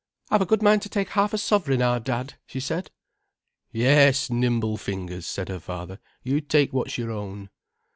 "I've a good mind to take half a sovereign, our Dad," she said. "Yes, nimble fingers," said her father. "You take what's your own."